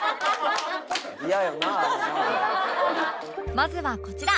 まずはこちら